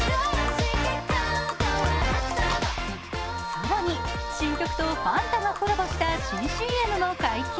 更に、新曲とファンタがコラボした新ＣＭも解禁。